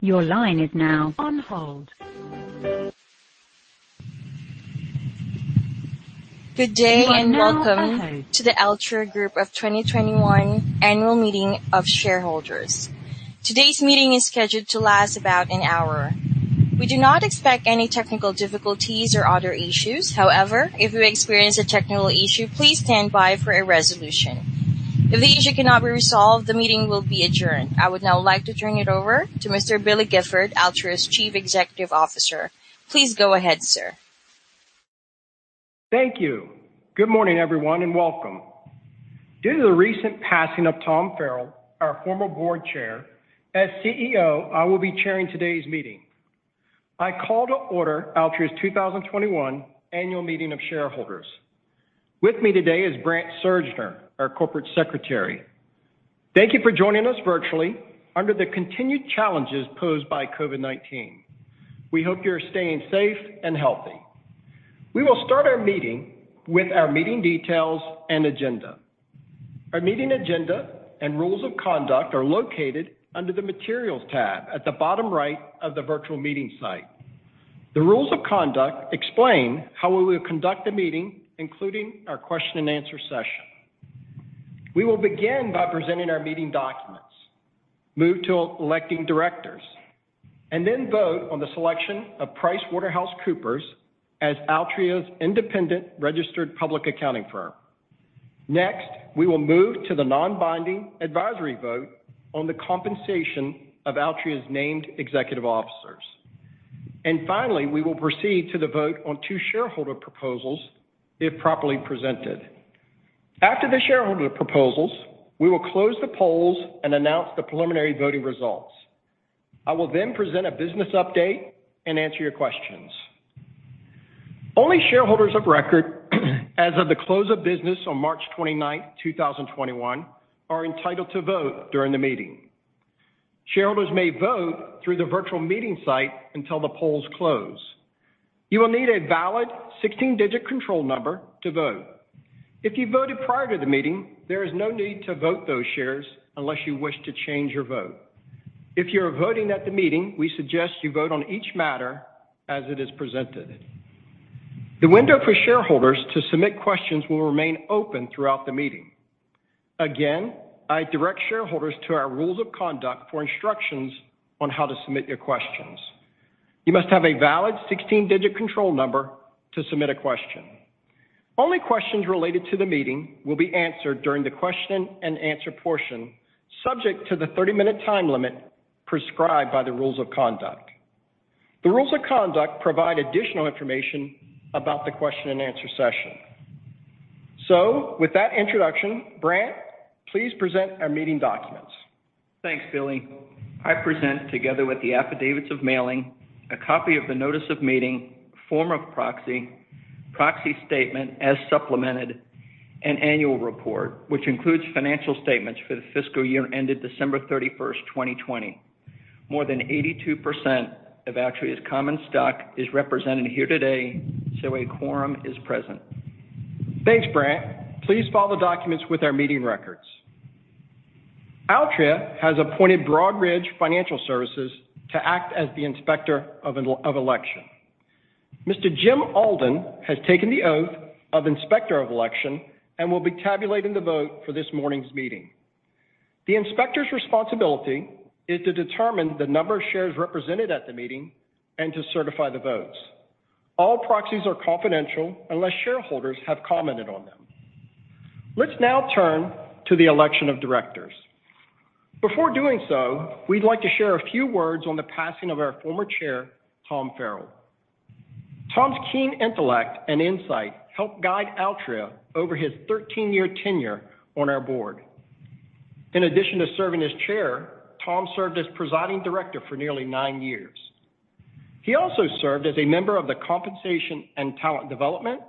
Your line is now on hold. Good day and welcome to the Altria Group of 2021 Annual Meeting of Shareholders. Today's meeting is scheduled to last about an hour. We do not expect any technical difficulties or other issues. However, if we experience a technical issue, please stand by for a resolution. If the issue cannot be resolved, the meeting will be adjourned. I would now like to turn it over to Mr. Billy Gifford, Altria's Chief Executive Officer. Please go ahead, sir. Thank you. Good morning, everyone, and welcome. Due to the recent passing of Tom Farrell, our former Board Chair, as CEO, I will be chairing today's meeting. I call to order Altria's 2021 annual meeting of shareholders. With me today is Brandt Surgner, our Corporate Secretary. Thank you for joining us virtually under the continued challenges posed by COVID-19. We hope you're staying safe and healthy. We will start our meeting with our meeting details and agenda. Our meeting agenda and rules of conduct are located under the materials tab at the bottom right of the virtual meeting site. The rules of conduct explain how we will conduct the meeting, including our question and answer session. We will begin by presenting our meeting documents, move to electing directors, and then vote on the selection of PricewaterhouseCoopers as Altria's independent registered public accounting firm. We will move to the non-binding advisory vote on the compensation of Altria's named executive officers. Finally, we will proceed to the vote on two shareholder proposals if properly presented. After the shareholder proposals, we will close the polls and announce the preliminary voting results. I will present a business update and answer your questions. Only shareholders of record as of the close of business on March 29th, 2021, are entitled to vote during the meeting. Shareholders may vote through the virtual meeting site until the polls close. You will need a valid 16-digit control number to vote. If you voted prior to the meeting, there is no need to vote those shares unless you wish to change your vote. If you're voting at the meeting, we suggest you vote on each matter as it is presented. The window for shareholders to submit questions will remain open throughout the meeting. Again, I direct shareholders to our rules of conduct for instructions on how to submit your questions. You must have a valid 16-digit control number to submit a question. Only questions related to the meeting will be answered during the question and answer portion, subject to the 30-minute time limit prescribed by the rules of conduct. The rules of conduct provide additional information about the question and answer session. With that introduction, Brandt, please present our meeting documents. Thanks, Billy. I present, together with the affidavits of mailing, a copy of the notice of meeting, form of proxy, proxy statement as supplemented, and annual report, which includes financial statements for the fiscal year ended December 31st, 2020. More than 82% of Altria's common stock is represented here today, so a quorum is present. Thanks, Brandt. Please file the documents with our meeting records. Altria has appointed Broadridge Financial Services to act as the Inspector of Election. Mr. Jim Alden has taken the oath of Inspector of Election and will be tabulating the vote for this morning's meeting. The inspector's responsibility is to determine the number of shares represented at the meeting and to certify the votes. All proxies are confidential unless shareholders have commented on them. Let's now turn to the election of directors. Before doing so, we'd like to share a few words on the passing of our former Chair, Tom Farrell. Tom's keen intellect and insight helped guide Altria over his 13-year tenure on our board. In addition to serving as Chair, Tom served as presiding director for nearly nine years. He also served as a member of the Compensation and Talent Development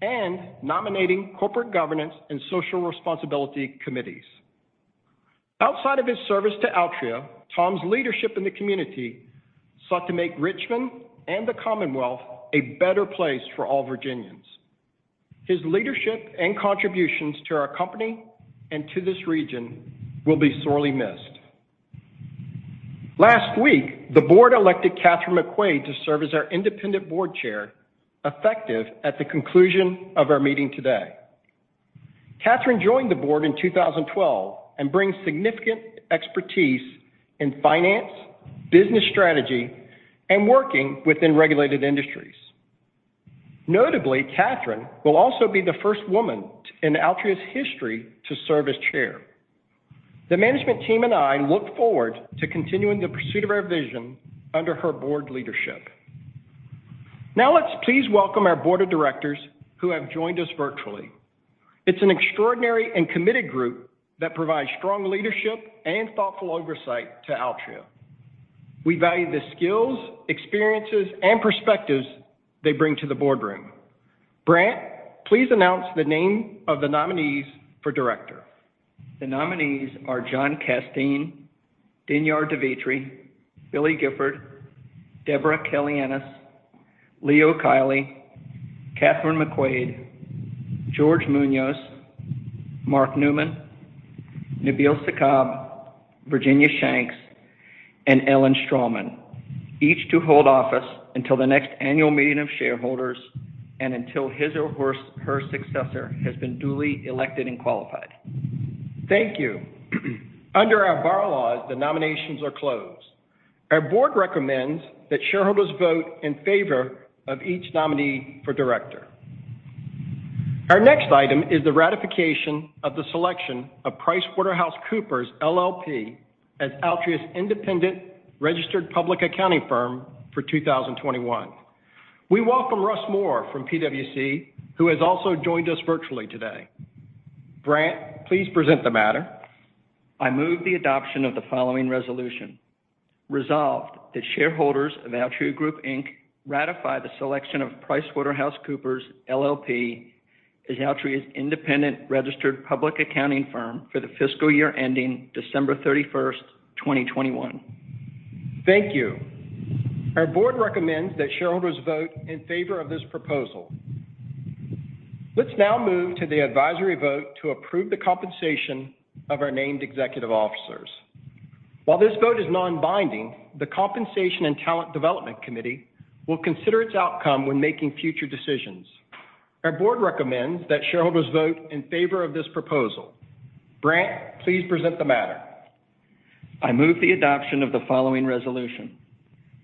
and Nominating, Corporate Governance, and Social Responsibility Committees. Outside of his service to Altria, Tom's leadership in the community sought to make Richmond and the Commonwealth a better place for all Virginians. His leadership and contributions to our company and to this region will be sorely missed. Last week, the board elected Kathryn McQuade to serve as our independent board chair, effective at the conclusion of our meeting today. Kathryn joined the board in 2012 and brings significant expertise in finance, business strategy, and working within regulated industries. Notably, Kathryn will also be the first woman in Altria's history to serve as chair. The management team and I look forward to continuing the pursuit of our vision under her board leadership. Let's please welcome our board of directors who have joined us virtually. It's an extraordinary and committed group that provides strong leadership and thoughtful oversight to Altria. We value the skills, experiences, and perspectives they bring to the boardroom. Brandt, please announce the name of the nominees for director. The nominees are John Casteen, Dinyar Devitre, Billy Gifford, Debra Kelly-Ennis, Leo Kiely, Kathryn McQuade, George Muñoz. Mark Newman, Nabil Sakkab, Virginia Shanks, and Ellen Strahlman, each to hold office until the next annual meeting of shareholders and until his or her successor has been duly elected and qualified. Thank you. Under our bylaws, the nominations are closed. Our board recommends that shareholders vote in favor of each nominee for director. Our next item is the ratification of the selection of PricewaterhouseCoopers LLP as Altria's independent registered public accounting firm for 2021. We welcome Russ Moore from PwC, who has also joined us virtually today. Brandt, please present the matter. I move the adoption of the following resolution. Resolved, that shareholders of Altria Group, Inc. ratify the selection of PricewaterhouseCoopers LLP, as Altria's independent registered public accounting firm for the fiscal year ending December 31st, 2021. Thank you. Our board recommends that shareholders vote in favor of this proposal. Let's now move to the advisory vote to approve the compensation of our named executive officers. While this vote is non-binding, the Compensation & Talent Development Committee will consider its outcome when making future decisions. Our board recommends that shareholders vote in favor of this proposal. Brandt, please present the matter. I move the adoption of the following resolution.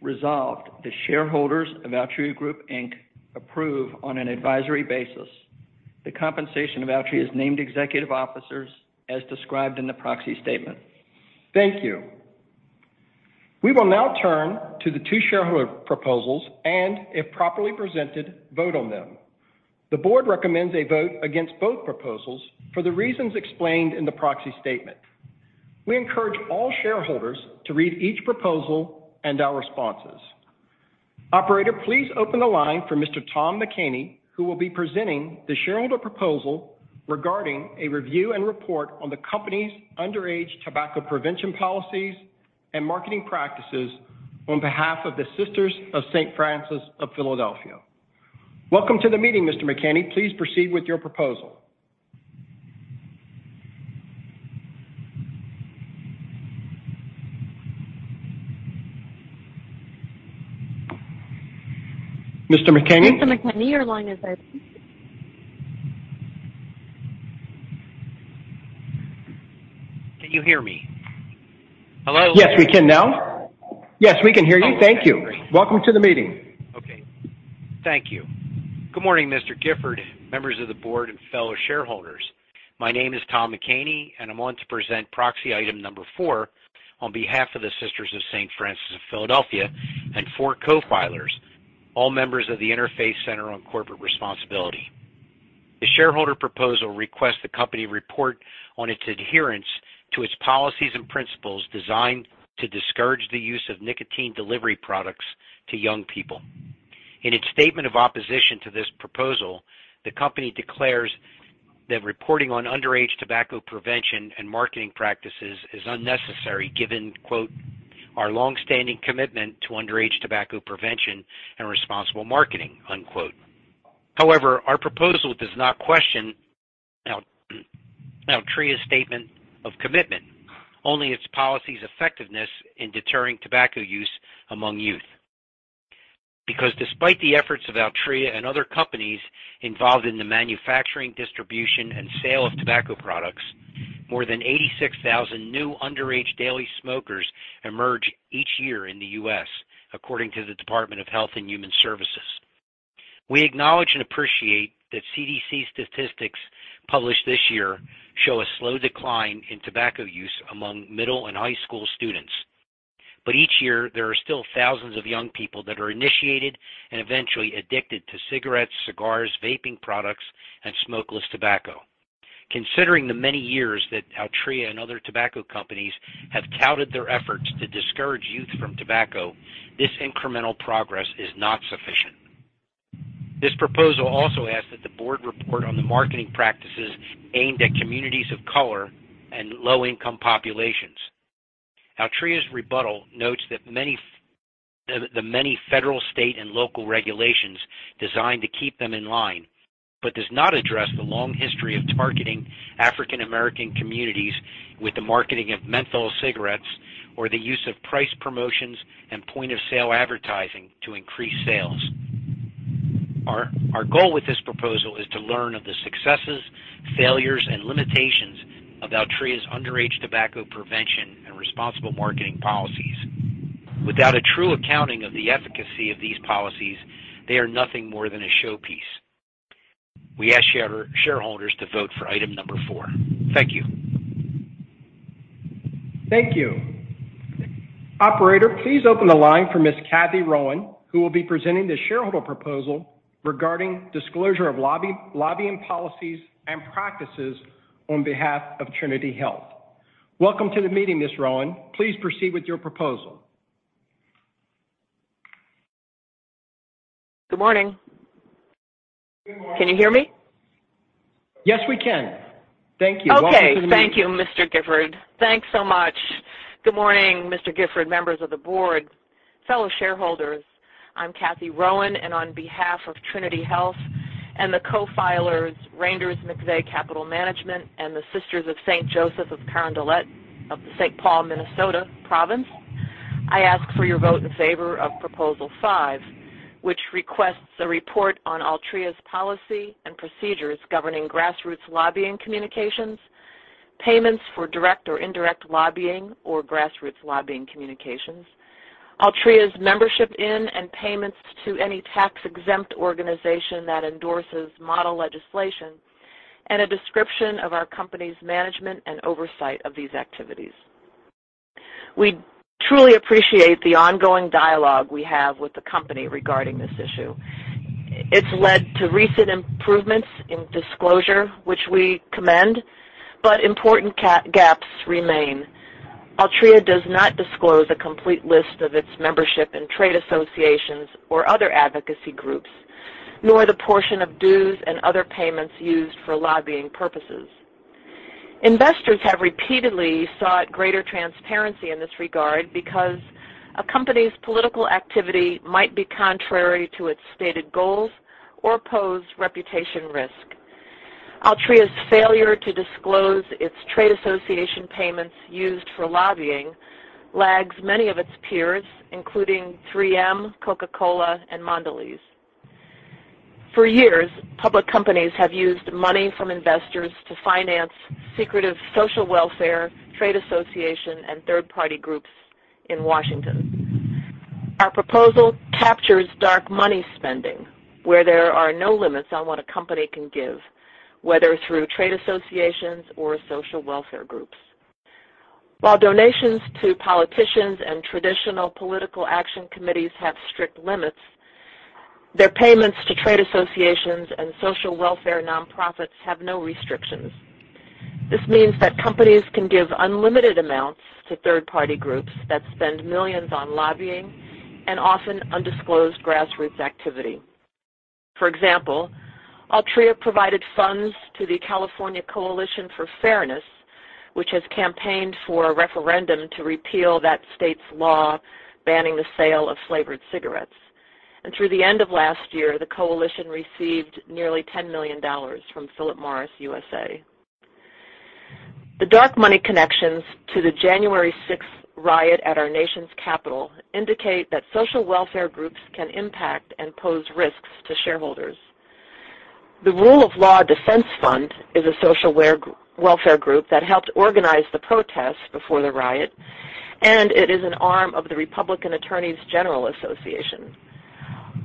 Resolved, the shareholders of Altria Group, Inc. approve, on an advisory basis, the compensation of Altria's named executive officers as described in the proxy statement. Thank you. We will now turn to the two shareholder proposals and, if properly presented, vote on them. The board recommends a vote against both proposals for the reasons explained in the proxy statement. We encourage all shareholders to read each proposal and our responses. Operator, please open the line for Mr. Tom McCaney, who will be presenting the shareholder proposal regarding a review and report on the company's underage tobacco prevention policies and marketing practices on behalf of the Sisters of St. Francis of Philadelphia. Welcome to the meeting, Mr. McCaney. Please proceed with your proposal. Mr. McCaney? Mr. McCaney, your line is open. Can you hear me? Hello? Yes, we can now. Yes, we can hear you. Thank you. Welcome to the meeting. Okay. Thank you. Good morning, Mr. Gifford, members of the board, and fellow shareholders. My name is Tom McCaney. I'm going to present proxy item number four on behalf of the Sisters of St. Francis of Philadelphia and four co-filers, all members of the Interfaith Center on Corporate Responsibility. The shareholder proposal requests the company report on its adherence to its policies and principles designed to discourage the use of nicotine delivery products to young people. In its statement of opposition to this proposal, the company declares that reporting on underage tobacco prevention and marketing practices is unnecessary, given, "our longstanding commitment to underage tobacco prevention and responsible marketing," However, our proposal does not question Altria's statement of commitment, only its policy's effectiveness in deterring tobacco use among youth. Because despite the efforts of Altria and other companies involved in the manufacturing, distribution, and sale of tobacco products, more than 86,000 new underage daily smokers emerge each year in the U.S., according to the Department of Health and Human Services. We acknowledge and appreciate that CDC statistics published this year show a slow decline in tobacco use among middle and high school students. Each year, there are still thousands of young people that are initiated and eventually addicted to cigarettes, cigars, vaping products, and smokeless tobacco. Considering the many years that Altria and other tobacco companies have touted their efforts to discourage youth from tobacco, this incremental progress is not sufficient. This proposal also asks that the board report on the marketing practices aimed at communities of color and low-income populations. Altria's rebuttal notes the many federal, state, and local regulations designed to keep them in line but does not address the long history of targeting African American communities with the marketing of menthol cigarettes or the use of price promotions and point-of-sale advertising to increase sales. Our goal with this proposal is to learn of the successes, failures, and limitations of Altria's underage tobacco prevention and responsible marketing policies. Without a true accounting of the efficacy of these policies, they are nothing more than a showpiece. We ask shareholders to vote for item number four. Thank you. Thank you. Operator, please open the line for Ms. Cathy Rowan, who will be presenting the shareholder proposal regarding disclosure of lobbying policies and practices on behalf of Trinity Health. Welcome to the meeting, Ms. Rowan. Please proceed with your proposal. Good morning. Can you hear me? Yes, we can. Thank you. Welcome to the meeting. Okay. Thank you, Mr. Gifford. Thanks so much. Good morning, Mr. Gifford, members of the board, fellow shareholders. I'm Cathy Rowan, and on behalf of Trinity Health and the co-filers, Reynders, McVeigh Capital Management and the Sisters of St. Joseph of Carondelet of the St. Paul Minnesota Province, I ask for your vote in favor of proposal five, which requests a report on Altria's policy and procedures governing grassroots lobbying communications, payments for direct or indirect lobbying or grassroots lobbying communications, Altria's membership in and payments to any tax-exempt organization that endorses model legislation, and a description of our company's management and oversight of these activities. We truly appreciate the ongoing dialogue we have with the company regarding this issue. It's led to recent improvements in disclosure, which we commend, but important gaps remain. Altria does not disclose a complete list of its membership in trade associations or other advocacy groups, nor the portion of dues and other payments used for lobbying purposes. Investors have repeatedly sought greater transparency in this regard because a company's political activity might be contrary to its stated goals or pose reputation risk. Altria's failure to disclose its trade association payments used for lobbying lags many of its peers, including 3M, Coca-Cola, and Mondelēz. For years, public companies have used money from investors to finance secretive social welfare, trade association, and third-party groups in Washington. Our proposal captures dark money spending where there are no limits on what a company can give, whether through trade associations or social welfare groups. While donations to politicians and traditional political action committees have strict limits, their payments to trade associations and social welfare nonprofits have no restrictions. This means that companies can give unlimited amounts to third-party groups that spend millions on lobbying and often undisclosed grassroots activity. For example, Altria provided funds to the California Coalition for Fairness, which has campaigned for a referendum to repeal that state's law banning the sale of flavored cigarettes, and through the end of last year, the coalition received nearly $10 million from Philip Morris USA. The dark money connections to the January 6th riot at our nation's capital indicate that social welfare groups can impact and pose risks to shareholders. The Rule of Law Defense Fund is a social welfare group that helped organize the protests before the riot, and it is an arm of the Republican Attorneys General Association.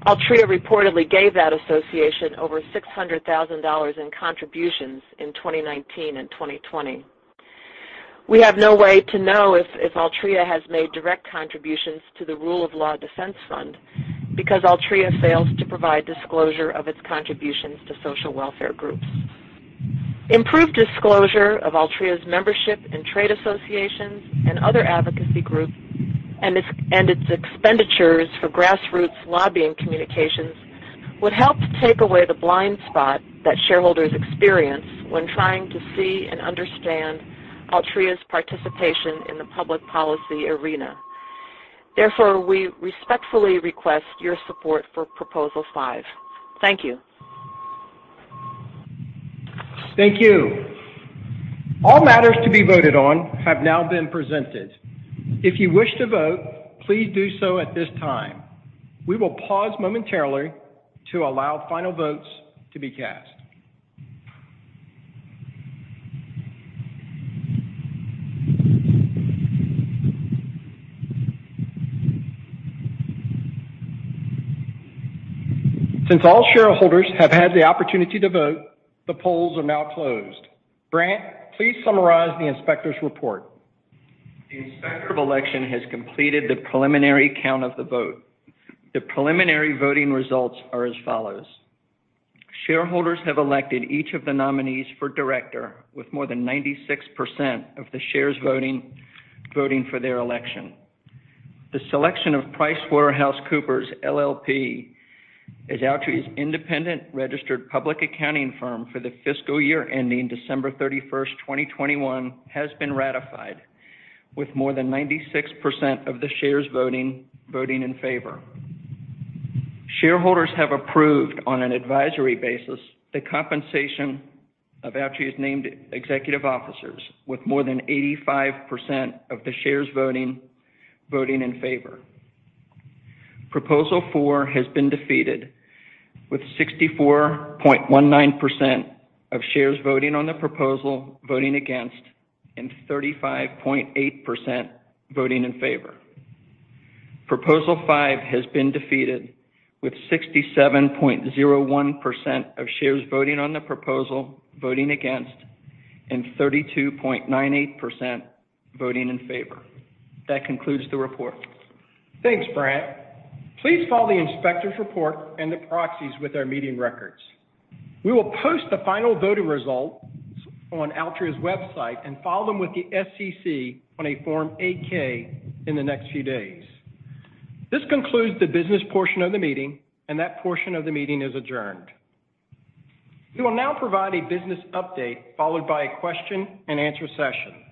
Altria reportedly gave that association over $600,000 in contributions in 2019 and 2020. We have no way to know if Altria has made direct contributions to the Rule of Law Defense Fund because Altria fails to provide disclosure of its contributions to social welfare groups. Improved disclosure of Altria's membership in trade associations and other advocacy groups and its expenditures for grassroots lobbying communications would help to take away the blind spot that shareholders experience when trying to see and understand Altria's participation in the public policy arena. Therefore, we respectfully request your support for proposal five. Thank you. Thank you. All matters to be voted on have now been presented. If you wish to vote, please do so at this time. We will pause momentarily to allow final votes to be cast. Since all shareholders have had the opportunity to vote, the polls are now closed. Brandt, please summarize the inspector's report. The Inspector of Election has completed the preliminary count of the vote. The preliminary voting results are as follows. Shareholders have elected each of the nominees for director with more than 96% of the shares voting for their election. The selection of PricewaterhouseCoopers LLP as Altria's independent registered public accounting firm for the fiscal year ending December 31st, 2021, has been ratified with more than 96% of the shares voting in favor. Shareholders have approved on an advisory basis the compensation of Altria's named executive officers with more than 85% of the shares voting in favor. Proposal four has been defeated with 64.19% of shares voting on the proposal voting against and 35.8% voting in favor. Proposal five has been defeated with 67.01% of shares voting on the proposal voting against and 32.98% voting in favor. That concludes the report. Thanks, Brandt. Please file the inspector's report and the proxies with our meeting records. We will post the final voting results on Altria's website and file them with the SEC on a Form 8-K in the next few days. This concludes the business portion of the meeting, and that portion of the meeting is adjourned. We will now provide a business update followed by a question and answer session.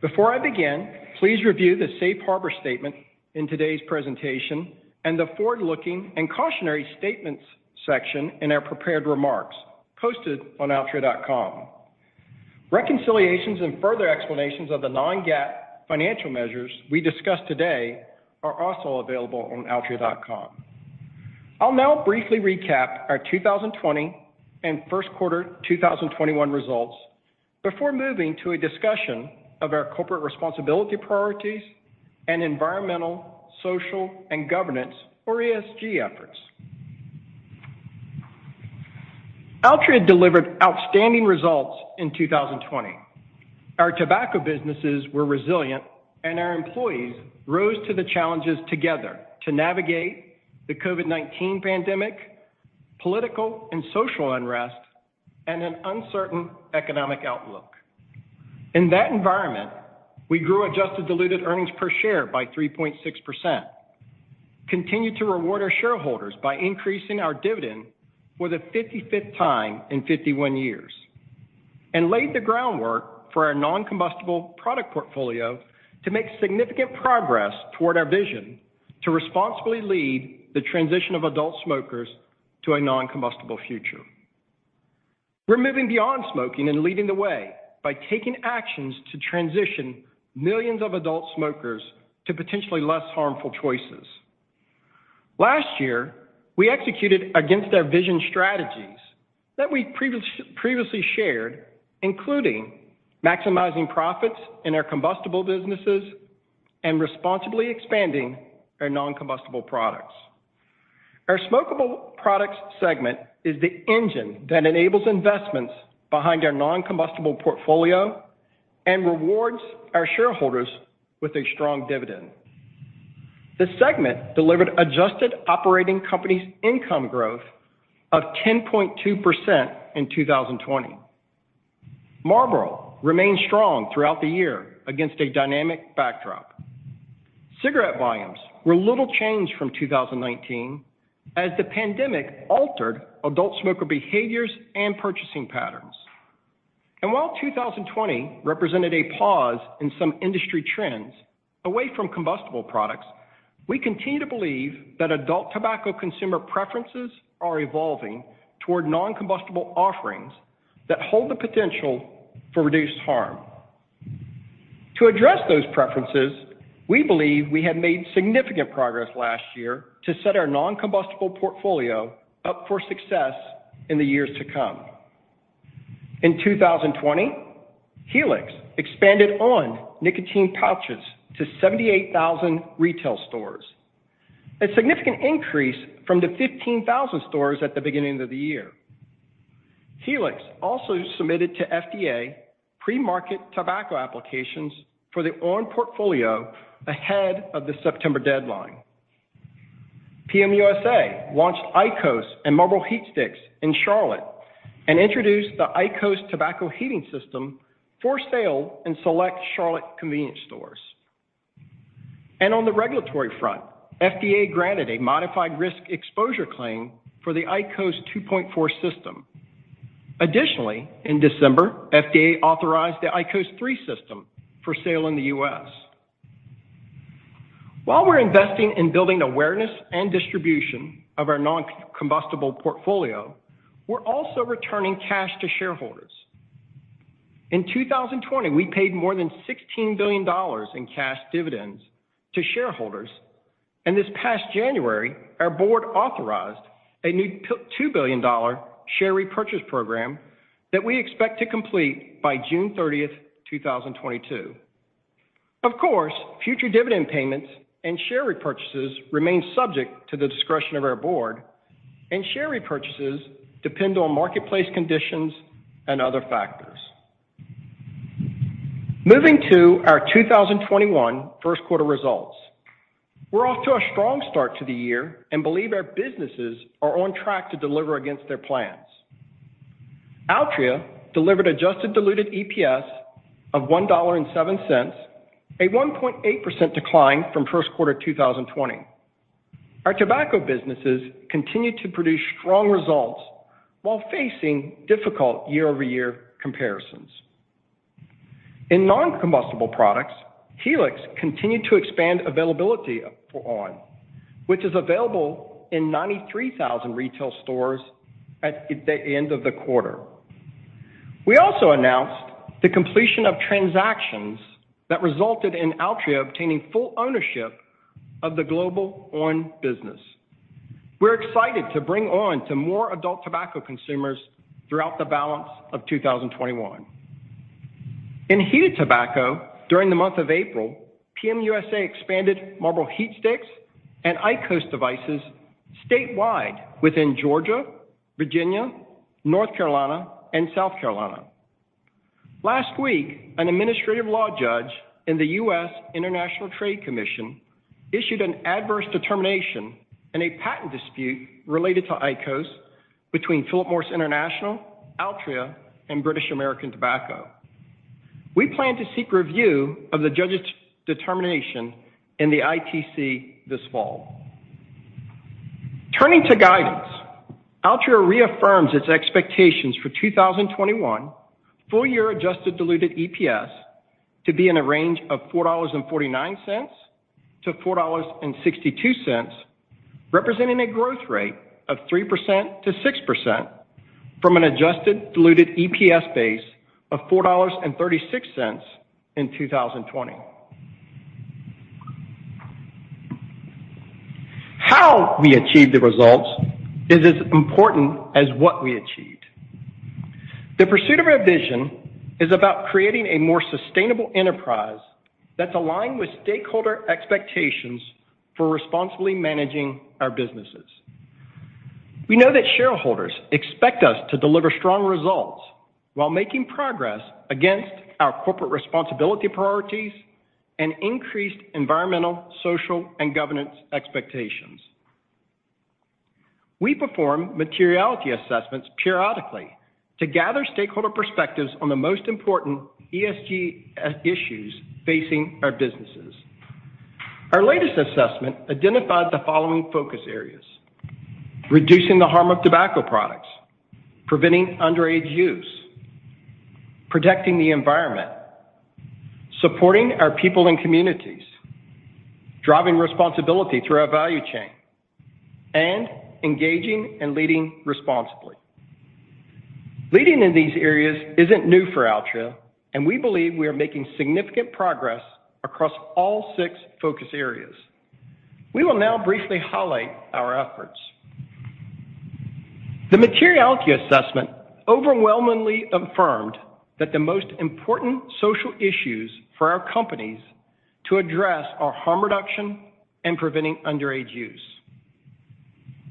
Before I begin, please review the safe harbor statement in today's presentation and the forward-looking and cautionary statements section in our prepared remarks posted on altria.com. Reconciliations and further explanations of the non-GAAP financial measures we discuss today are also available on altria.com. I'll now briefly recap our 2020 and first quarter 2021 results before moving to a discussion of our corporate responsibility priorities and environmental, social, and governance, or ESG efforts. Altria delivered outstanding results in 2020. Our tobacco businesses were resilient, and our employees rose to the challenges together to navigate the COVID-19 pandemic, political and social unrest, and an uncertain economic outlook. In that environment, we grew adjusted diluted earnings per share by 3.6%, continued to reward our shareholders by increasing our dividend for the 55th time in 51 years, and laid the groundwork for our non-combustible product portfolio to make significant progress toward our vision to responsibly lead the transition of adult smokers to a non-combustible future. We're moving beyond smoking and leading the way by taking actions to transition millions of adult smokers to potentially less harmful choices. Last year, we executed against our vision strategies that we previously shared, including maximizing profits in our combustible businesses and responsibly expanding our non-combustible products. Our smokable products segment is the engine that enables investments behind our non-combustible portfolio and rewards our shareholders with a strong dividend. The segment delivered adjusted operating company income growth of 10.2% in 2020. Marlboro remained strong throughout the year against a dynamic backdrop. Cigarette volumes were little changed from 2019 as the pandemic altered adult smoker behaviors and purchasing patterns. While 2020 represented a pause in some industry trends away from combustible products, we continue to believe that adult tobacco consumer preferences are evolving toward non-combustible offerings that hold the potential for reduced harm. To address those preferences, we believe we have made significant progress last year to set our non-combustible portfolio up for success in the years to come. In 2020, Helix expanded on! nicotine pouches to 78,000 retail stores, a significant increase from the 15,000 stores at the beginning of the year. Helix also submitted to FDA Premarket Tobacco Product Applications for the on! portfolio ahead of the September deadline. PM USA launched IQOS and Marlboro HeatSticks in Charlotte and introduced the IQOS tobacco heating system for sale in select Charlotte convenience stores. On the regulatory front, FDA granted a modified risk exposure claim for the IQOS 2.4 system. Additionally, in December, FDA authorized the IQOS 3 system for sale in the U.S. While we're investing in building awareness and distribution of our non-combustible portfolio, we're also returning cash to shareholders. In 2020, we paid more than $16 billion in cash dividends to shareholders, and this past January, our board authorized a new $2 billion share repurchase program that we expect to complete by June 30th, 2022. Future dividend payments and share repurchases remain subject to the discretion of our Board, and share repurchases depend on marketplace conditions and other factors. Moving to our 2021 first quarter results. We're off to a strong start to the year and believe our businesses are on track to deliver against their plans. Altria delivered adjusted diluted EPS of $1.07, a 1.8% decline from first quarter 2020. Our tobacco businesses continued to produce strong results while facing difficult year-over-year comparisons. In non-combustible products, Helix continued to expand availability for on!, which is available in 93,000 retail stores at the end of the quarter. We also announced the completion of transactions that resulted in Altria obtaining full ownership of the global on! business. We're excited to bring on! to more adult tobacco consumers throughout the balance of 2021. In heated tobacco, during the month of April, PM USA expanded Marlboro HeatSticks and IQOS devices statewide within Georgia, Virginia, North Carolina, and South Carolina. Last week, an administrative law judge in the U.S. International Trade Commission issued an adverse determination in a patent dispute related to IQOS between Philip Morris International, Altria, and British American Tobacco. We plan to seek review of the judge's determination in the ITC this fall. Turning to guidance, Altria reaffirms its expectations for 2021 full-year adjusted diluted EPS to be in a range of $4.49-$4.62, representing a growth rate of 3%-6% from an adjusted diluted EPS base of $4.36 in 2020. How we achieve the results is as important as what we achieve. The pursuit of our vision is about creating a more sustainable enterprise that's aligned with stakeholder expectations for responsibly managing our businesses. We know that shareholders expect us to deliver strong results while making progress against our corporate responsibility priorities and increased environmental, social, and governance expectations. We perform materiality assessments periodically to gather stakeholder perspectives on the most important ESG issues facing our businesses. Our latest assessment identified the following focus areas: reducing the harm of tobacco products, preventing underage use, protecting the environment, supporting our people and communities, driving responsibility through our value chain, and engaging and leading responsibly. Leading in these areas isn't new for Altria, and we believe we are making significant progress across all six focus areas. We will now briefly highlight our efforts. The materiality assessment overwhelmingly affirmed that the most important social issues for our companies to address are harm reduction and preventing underage use.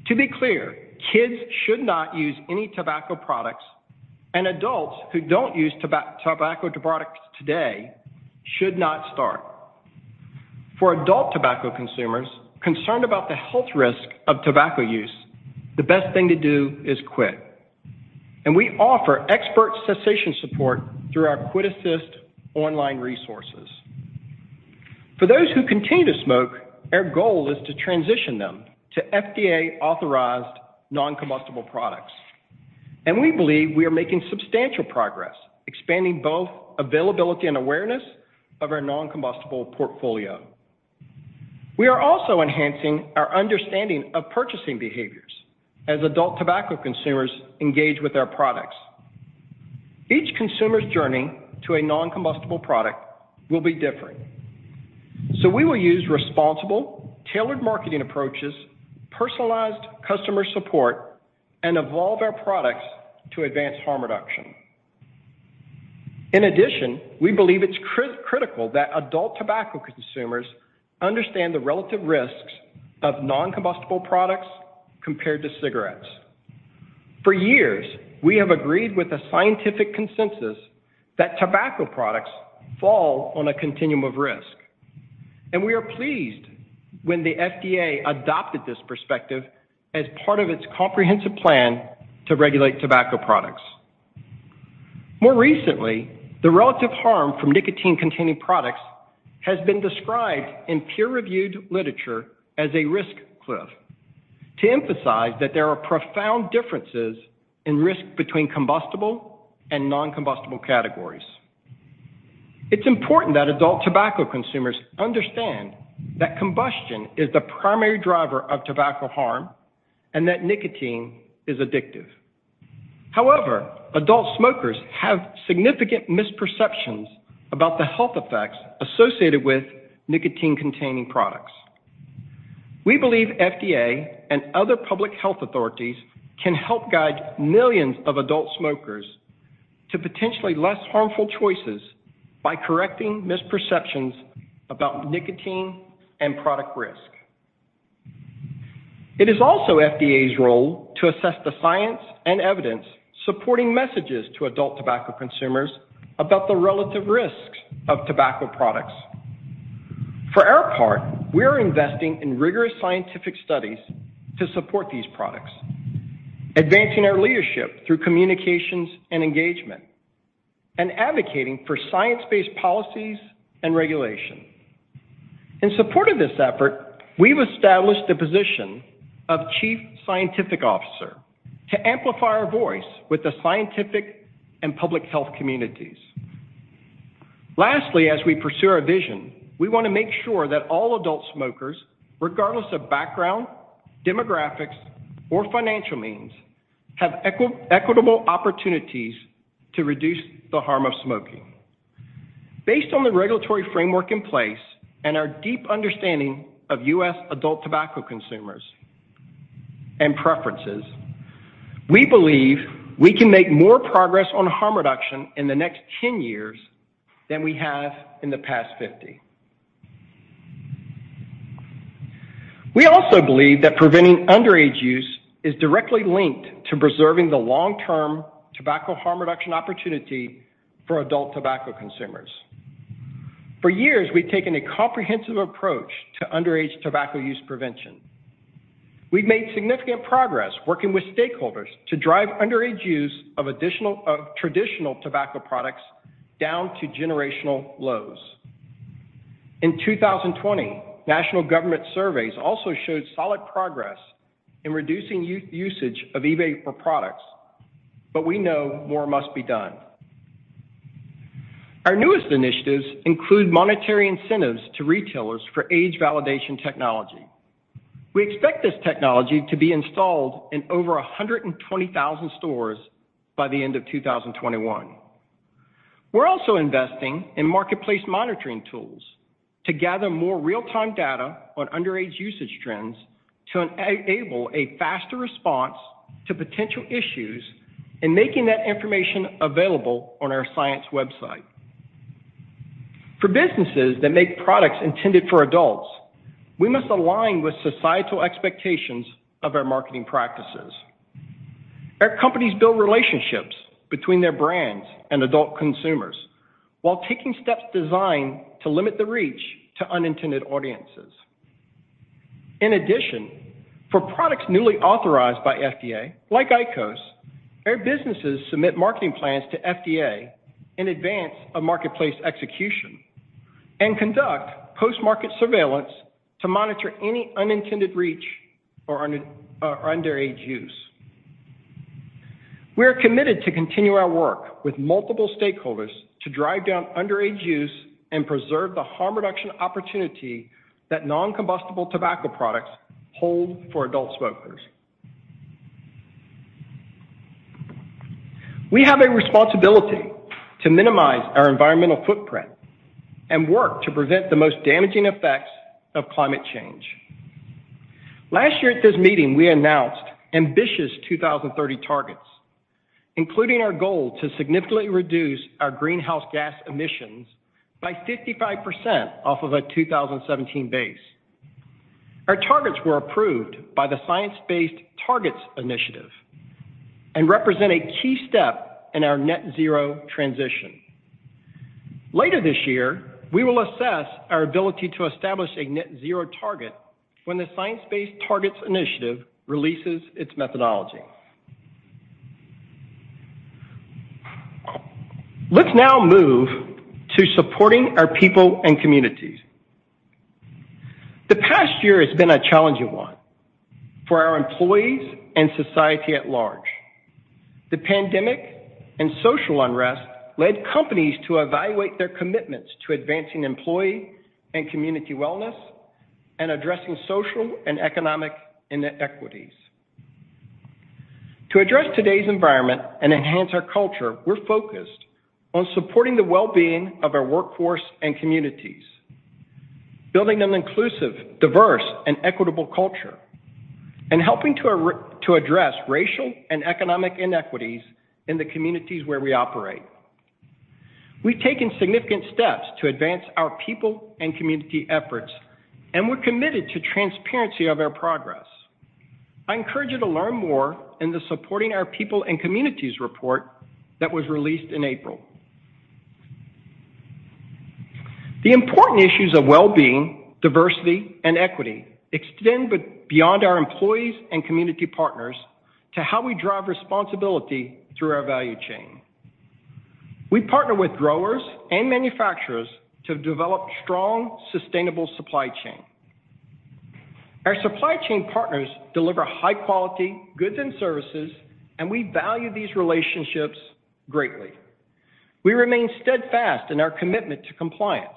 To be clear, kids should not use any tobacco products, and adults who don't use tobacco products today should not start. For adult tobacco consumers concerned about the health risk of tobacco use, the best thing to do is quit, and we offer expert cessation support through our QuitAssist online resources. For those who continue to smoke, our goal is to transition them to FDA-authorized non-combustible products, and we believe we are making substantial progress expanding both availability and awareness of our non-combustible portfolio. We are also enhancing our understanding of purchasing behaviors as adult tobacco consumers engage with our products. Each consumer's journey to a non-combustible product will be different, so we will use responsible, tailored marketing approaches, personalized customer support, and evolve our products to advance harm reduction. In addition, we believe it's critical that adult tobacco consumers understand the relative risks of non-combustible products compared to cigarettes. For years, we have agreed with the scientific consensus that tobacco products fall on a continuum of risk, and we are pleased when the FDA adopted this perspective as part of its comprehensive plan to regulate tobacco products. More recently, the relative harm from nicotine-containing products has been described in peer-reviewed literature as a risk cliff to emphasize that there are profound differences in risk between combustible and non-combustible categories. It's important that adult tobacco consumers understand that combustion is the primary driver of tobacco harm and that nicotine is addictive. However, adult smokers have significant misperceptions about the health effects associated with nicotine-containing products. We believe FDA and other public health authorities can help guide millions of adult smokers to potentially less harmful choices by correcting misperceptions about nicotine and product risk. It is also FDA's role to assess the science and evidence supporting messages to adult tobacco consumers about the relative risk of tobacco products. For our part, we are investing in rigorous scientific studies to support these products, advancing our leadership through communications and engagement, and advocating for science-based policies and regulation. In support of this effort, we've established the position of Chief Scientific Officer to amplify our voice with the scientific and public health communities. Lastly, as we pursue our vision, we want to make sure that all adult smokers, regardless of background, demographics, or financial means, have equitable opportunities to reduce the harm of smoking. Based on the regulatory framework in place and our deep understanding of U.S. adult tobacco consumers and preferences, we believe we can make more progress on harm reduction in the next 10 years than we have in the past 50. We also believe that preventing underage use is directly linked to preserving the long-term tobacco harm reduction opportunity for adult tobacco consumers. For years, we've taken a comprehensive approach to underage tobacco use prevention. We've made significant progress working with stakeholders to drive underage use of traditional tobacco products down to generational lows. In 2020, national government surveys also showed solid progress in reducing usage of e-vapor products. We know more must be done. Our newest initiatives include monetary incentives to retailers for age validation technology. We expect this technology to be installed in over 120,000 stores by the end of 2021. We're also investing in marketplace monitoring tools to gather more real-time data on underage usage trends to enable a faster response to potential issues and making that information available on our science website. For businesses that make products intended for adults, we must align with societal expectations of our marketing practices. Our companies build relationships between their brands and adult consumers while taking steps designed to limit the reach to unintended audiences. In addition, for products newly authorized by FDA, like IQOS, our businesses submit marketing plans to FDA in advance of marketplace execution and conduct post-market surveillance to monitor any unintended reach or underage use. We are committed to continuing our work with multiple stakeholders to drive down underage use and preserve the harm reduction opportunity that non-combustible tobacco products hold for adult smokers. We have a responsibility to minimize our environmental footprint and work to prevent the most damaging effects of climate change. Last year at this meeting, we announced ambitious 2030 targets, including our goal to significantly reduce our greenhouse gas emissions by 55% off of a 2017 base. Our targets were approved by the Science Based Targets initiative and represent a key step in our net zero transition. Later this year, we will assess our ability to establish a net zero target when the Science Based Targets initiative releases its methodology. Let's now move to supporting our people and communities. The past year has been a challenging one for our employees and society at large. The pandemic and social unrest led companies to evaluate their commitments to advancing employee and community wellness and addressing social and economic inequities. To address today's environment and enhance our culture, we're focused on supporting the well-being of our workforce and communities, building an inclusive, diverse, and equitable culture, and helping to address racial and economic inequities in the communities where we operate. We've taken significant steps to advance our people and community efforts, and we're committed to transparency of our progress. I encourage you to learn more in the Supporting Our People and Communities report that was released in April. The important issues of well-being, diversity, and equity extend beyond our employees and community partners to how we drive responsibility through our value chain. We partner with growers and manufacturers to develop strong, sustainable supply chain. Our supply chain partners deliver high-quality goods and services, and we value these relationships greatly. We remain steadfast in our commitment to compliance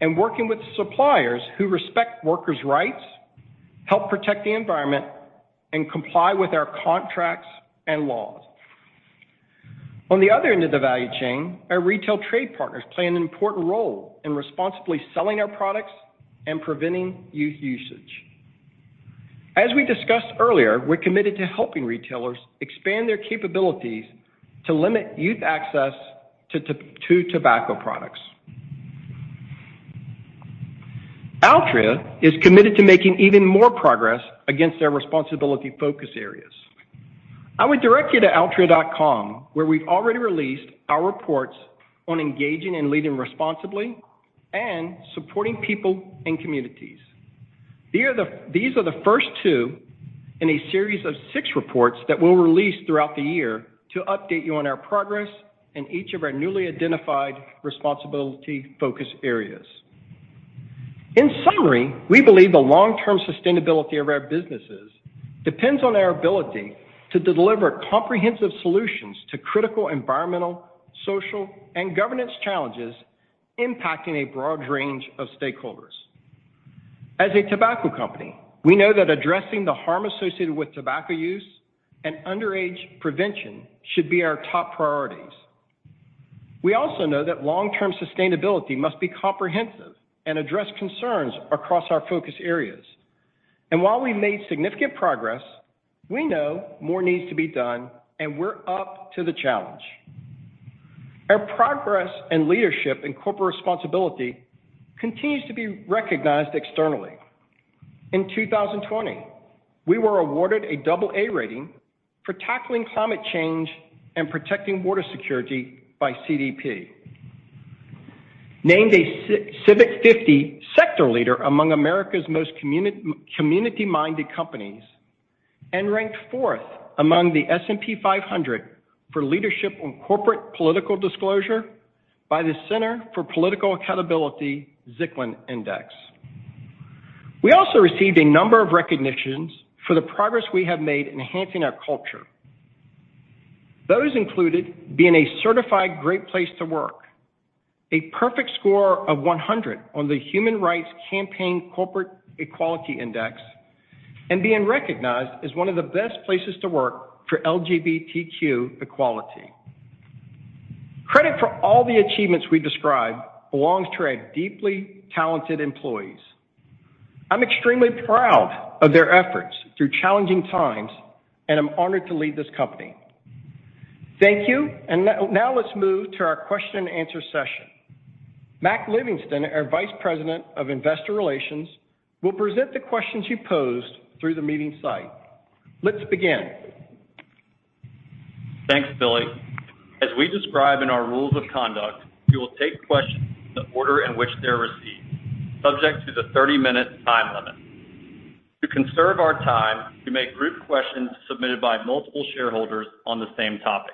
and working with suppliers who respect workers' rights, help protect the environment, and comply with our contracts and laws. On the other end of the value chain, our retail trade partners play an important role in responsibly selling our products and preventing youth usage. As we discussed earlier, we're committed to helping retailers expand their capabilities to limit youth access to tobacco products. Altria is committed to making even more progress against our responsibility focus areas. I would direct you to altria.com, where we've already released our reports on Engaging and Leading Responsibly and Supporting People and Communities. These are the first two in a series of six reports that we'll release throughout the year to update you on our progress in each of our newly identified responsibility focus areas. In summary, we believe the long-term sustainability of our businesses depends on our ability to deliver comprehensive solutions to critical environmental, social, and governance challenges impacting a broad range of stakeholders. As a tobacco company, we know that addressing the harm associated with tobacco use and underage prevention should be our top priorities. We also know that long-term sustainability must be comprehensive and address concerns across our focus areas. While we've made significant progress, we know more needs to be done, and we're up to the challenge. Our progress and leadership in corporate responsibility continues to be recognized externally. In 2020, we were awarded a double-A rating for tackling climate change and protecting water security by CDP. Named a Civic 50 sector leader among America's most community-minded companies, ranked fourth among the S&P 500 for leadership on corporate political disclosure by the Center for Political Accountability Zicklin Index. We also received a number of recognitions for the progress we have made enhancing our culture. Those included being a certified great place to work, a perfect score of 100 on the Human Rights Campaign Corporate Equality Index, and being recognized as one of the best places to work for LGBTQ equality. Credit for all the achievements we described belongs to our deeply talented employees. I'm extremely proud of their efforts through challenging times, and I'm honored to lead this company. Thank you, and now let's move to our question and answer session. Mac Livingston, our Vice President of Investor Relations, will present the questions you posed through the meeting site. Let's begin. Thanks, Billy. As we describe in our rules of conduct, we will take questions in the order in which they're received, subject to the 30-minute time limit. To conserve our time, we make group questions submitted by multiple shareholders on the same topic.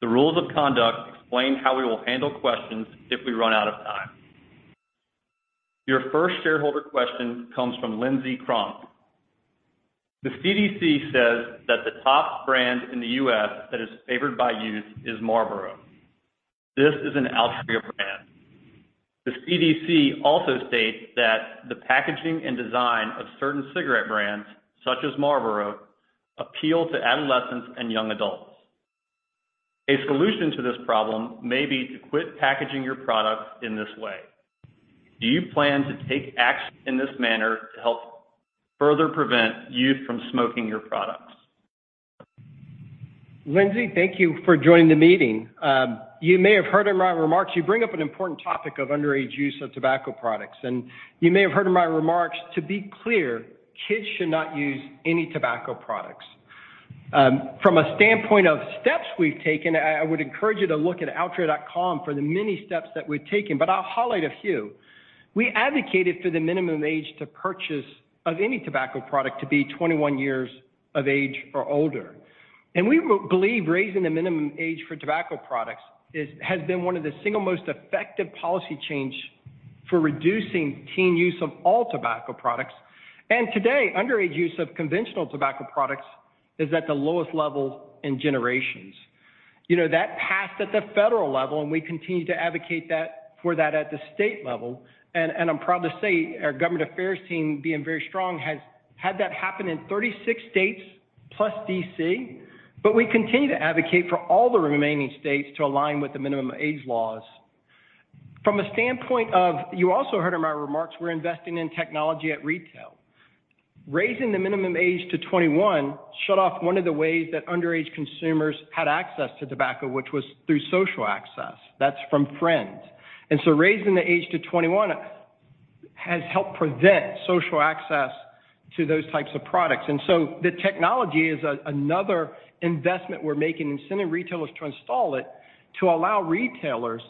The rules of conduct explain how we will handle questions if we run out of time. Your first shareholder question comes from Lindsay Cronk. "The CDC says that the top brand in the U.S. that is favored by youth is Marlboro. This is an Altria brand. The CDC also states that the packaging and design of certain cigarette brands, such as Marlboro, appeal to adolescents and young adults. A solution to this problem may be to quit packaging your products in this way. Do you plan to take action in this manner to help further prevent youth from smoking your products? Lindsay, thank you for joining the meeting. You bring up an important topic of underage use of tobacco products, and you may have heard in my remarks, to be clear, kids should not use any tobacco products. From a standpoint of steps we've taken, I would encourage you to look at altria.com for the many steps that we've taken, but I'll highlight a few. We advocated for the minimum age to purchase of any tobacco product to be 21 years of age or older. We believe raising the minimum age for tobacco products has been one of the single most effective policy change for reducing teen use of all tobacco products. Today, underage use of conventional tobacco products is at the lowest level in generations. That passed at the federal level, and we continue to advocate for that at the state level. I'm proud to say our government affairs team, being very strong, has had that happen in 36 states plus D.C., but we continue to advocate for all the remaining states to align with the minimum age laws. From a standpoint of, you also heard in my remarks, we're investing in technology at retail. Raising the minimum age to 21 shut off one of the ways that underage consumers had access to tobacco, which was through social access. That's from friends. Raising the age to 21 has helped prevent social access to those types of products. The technology is another investment we're making in sending retailers to install it, to allow retailers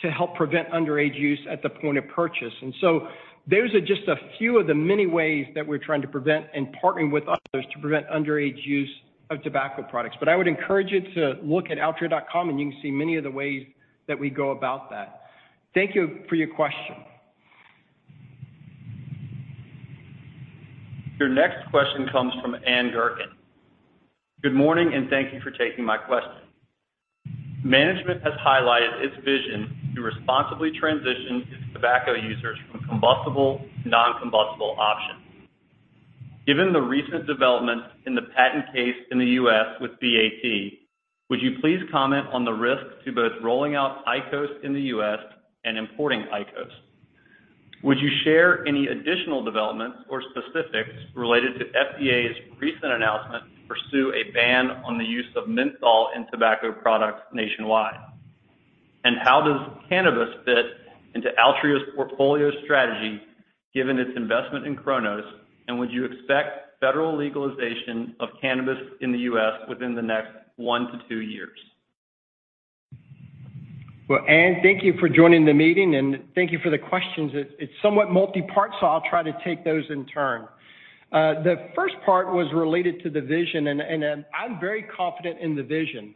to help prevent underage use at the point of purchase. Those are just a few of the many ways that we're trying to prevent and partnering with others to prevent underage use of tobacco products. I would encourage you to look at altria.com, and you can see many of the ways that we go about that. Thank you for your question. Your next question comes from Anne Durkin. Good morning, and thank you for taking my question. Management has highlighted its vision to responsibly transition its tobacco users from combustible to non-combustible options. Given the recent developments in the patent case in the U.S. with BAT, would you please comment on the risks to both rolling out IQOS in the U.S. and importing IQOS? Would you share any additional developments or specifics related to FDA's recent announcement to pursue a ban on the use of menthol in tobacco products nationwide? How does cannabis fit into Altria's portfolio strategy given its investment in Cronos, and would you expect federal legalization of cannabis in the U.S. within the next one to two years? Well, Anne, thank you for joining the meeting, and thank you for the questions. It's somewhat multi-part, so I'll try to take those in turn. The first part was related to the vision, and I'm very confident in the vision.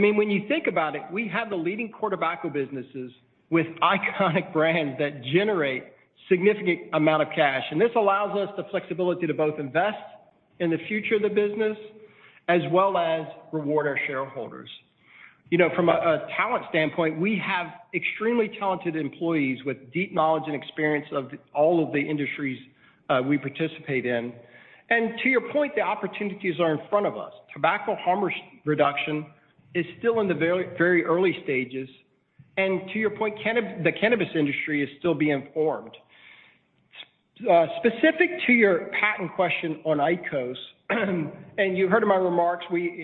When you think about it, we have the leading core tobacco businesses with iconic brands that generate significant amount of cash. This allows us the flexibility to both invest in the future of the business as well as reward our shareholders. From a talent standpoint, we have extremely talented employees with deep knowledge and experience of all of the industries we participate in. To your point, the opportunities are in front of us. Tobacco harm reduction is still in the very early stages, and to your point, the cannabis industry is still being formed. Specific to your patent question on IQOS, and you heard in my remarks, we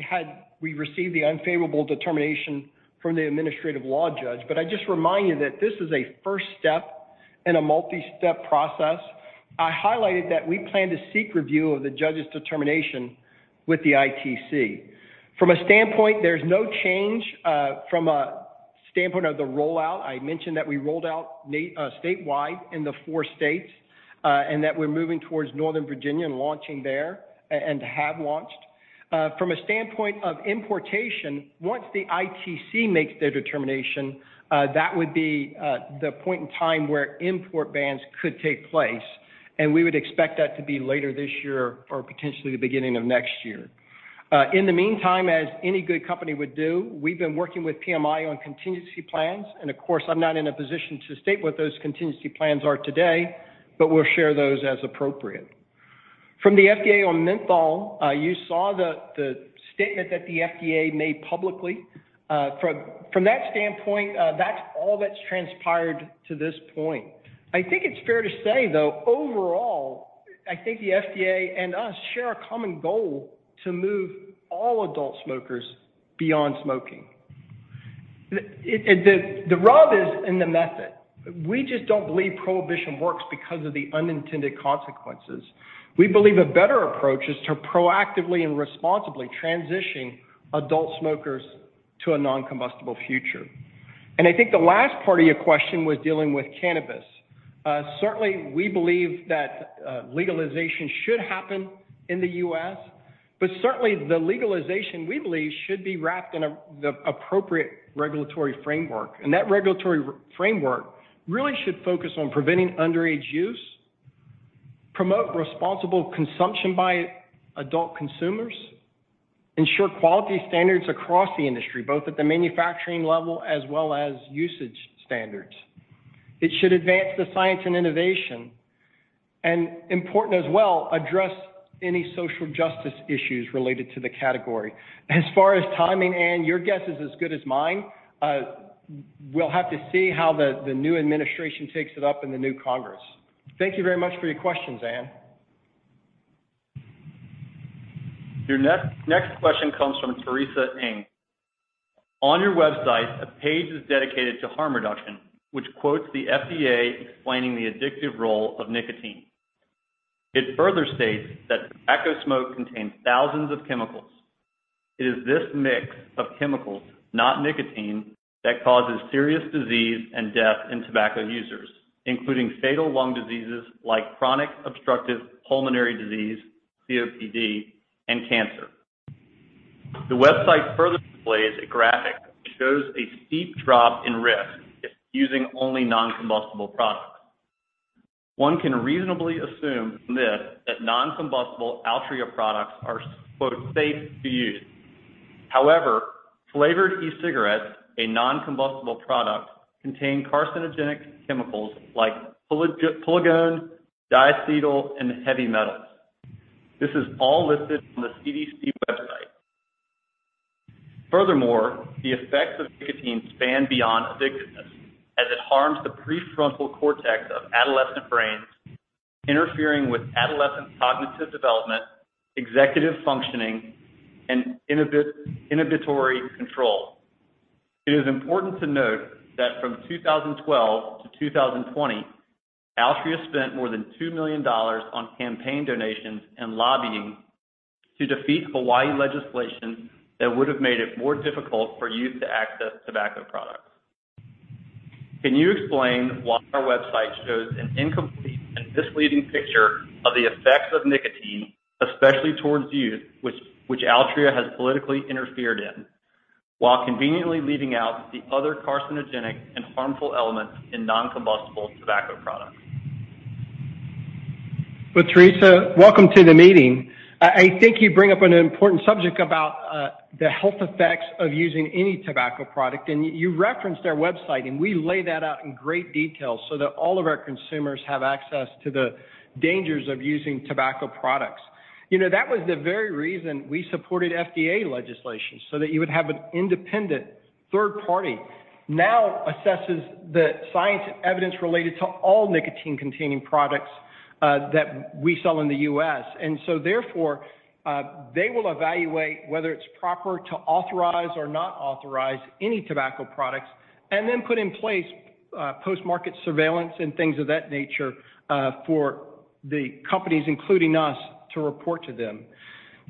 received the unfavorable determination from the administrative law judge, but I'd just remind you that this is a first step in a multi-step process. I highlighted that we plan to seek review of the judge's determination with the ITC. From a standpoint, there's no change from a standpoint of the rollout. I mentioned that we rolled out statewide in the four states, and that we're moving towards northern Virginia and launching there, and have launched. From a standpoint of importation, once the ITC makes their determination, that would be the point in time where import bans could take place, and we would expect that to be later this year or potentially the beginning of next year. In the meantime, as any good company would do, we've been working with PMI on contingency plans. Of course, I'm not in a position to state what those contingency plans are today, but we'll share those as appropriate. From the FDA on menthol, you saw the statement that the FDA made publicly. From that standpoint, that's all that's transpired to this point. I think it's fair to say, though, overall, I think the FDA and us share a common goal to move all adult smokers beyond smoking. The rub is in the method. We just don't believe prohibition works because of the unintended consequences. We believe a better approach is to proactively and responsibly transition adult smokers to a non-combustible future. I think the last part of your question was dealing with cannabis. Certainly, we believe that legalization should happen in the U.S., but certainly the legalization, we believe, should be wrapped in an appropriate regulatory framework. That regulatory framework really should focus on preventing underage use, promote responsible consumption by adult consumers, ensure quality standards across the industry, both at the manufacturing level as well as usage standards. It should advance the science and innovation, important as well, address any social justice issues related to the category. As far as timing, Ann, your guess is as good as mine. We'll have to see how the new administration takes it up in the new Congress. Thank you very much for your questions, Anne. Your next question comes from Teresa Ng. On your website, a page is dedicated to harm reduction, which quotes the FDA explaining the addictive role of nicotine. It further states that tobacco smoke contains thousands of chemicals. It is this mix of chemicals, not nicotine, that causes serious disease and death in tobacco users, including fatal lung diseases like chronic obstructive pulmonary disease, COPD, and cancer. The website further displays a graphic that shows a steep drop in risk using only non-combustible products. One can reasonably assume from this that non-combustible Altria products are,"safe to use." However, flavored e-cigarettes, a non-combustible product, contain carcinogenic chemicals like pulegone, diacetyl, and heavy metals. This is all listed on the CDC website. The effects of nicotine span beyond sickness, as it harms the prefrontal cortex of adolescent brains, interfering with adolescent cognitive development, executive functioning, and inhibitory control. It is important to note that from 2012 to 2020, Altria spent more than $2 million on campaign donations and lobbying to defeat Hawaii legislation that would have made it more difficult for youth to access tobacco products. Can you explain why your website shows an incomplete and misleading picture of the effects of nicotine, especially towards youth, which Altria has politically interfered in, while conveniently leaving out the other carcinogenic and harmful elements in non-combustible tobacco products? Well, Teresa, welcome to the meeting. I think you bring up an important subject about the health effects of using any tobacco product, and you referenced our website, and we lay that out in great detail so that all of our consumers have access to the dangers of using tobacco products. That was the very reason we supported FDA legislation, so that you would have an independent third party now assesses the science and evidence related to all nicotine-containing products that we sell in the U.S. Therefore, they will evaluate whether it's proper to authorize or not authorize any tobacco products, and then put in place post-market surveillance and things of that nature for the companies, including us, to report to them.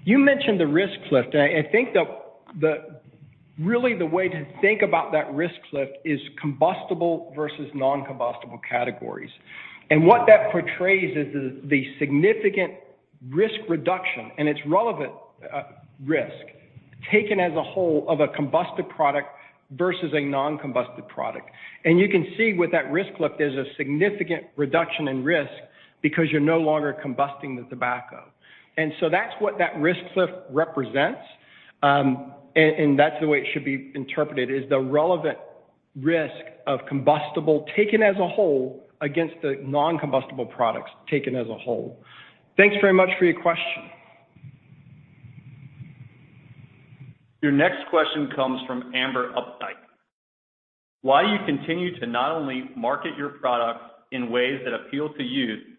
You mentioned the risk cliff. I think that really the way to think about that risk cliff is combustible versus non-combustible categories. What that portrays is the significant risk reduction, and it's relevant risk, taken as a whole of a combusted product versus a non-combusted product. You can see with that risk cliff, there's a significant reduction in risk because you're no longer combusting the tobacco. That's what that risk cliff represents, and that's the way it should be interpreted, is the relevant risk of combustible taken as a whole against the non-combustible products taken as a whole. Thanks very much for your question. Your next question comes from Amber Updike. Why you continue to not only market your products in ways that appeal to youth-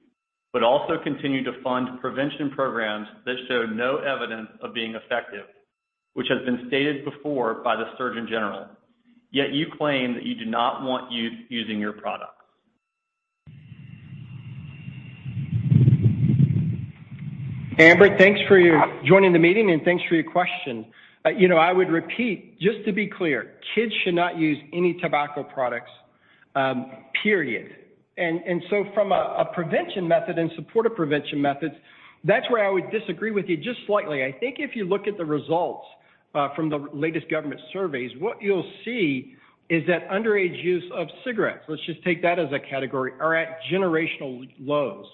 Also continue to fund prevention programs that show no evidence of being effective, which has been stated before by the surgeon general. Yet you claim that you do not want youth using your products. Amber, thanks for joining the meeting and thanks for your question. I would repeat, just to be clear, kids should not use any tobacco products, period. From a prevention method and supportive prevention methods, that's where I would disagree with you just slightly. I think if you look at the results from the latest government surveys, what you'll see is that underage use of cigarettes, let's just take that as a category, are at generational lows.